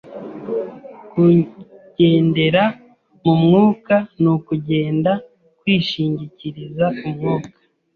Kugendera mu Mwuka ni ukugenda kwishingikiriza Umwuka